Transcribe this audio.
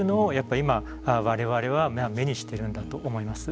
今我々は目にしてるんだと思います。